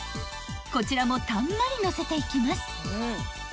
［こちらもたんまりのせていきます］